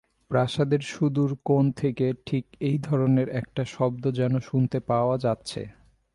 প্রাসাদের সুদূর কোণ থেকে ঠিক এই ধরনের একটা শব্দ যেন শুনতে পাওয়া যাচ্ছে।